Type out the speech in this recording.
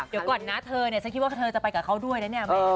เดี๋ยวก่อนนะเธอเนี่ยฉันคิดว่าเธอจะไปกับเขาด้วยนะเนี่ย